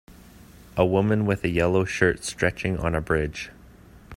A woman with a yellow shirt stretching on a bridge.